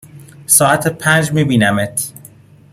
ساعت پنج می بینمت